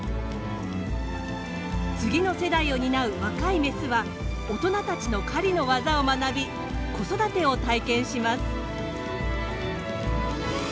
次の世代を担う若いメスは大人たちの狩りのワザを学び子育てを体験します。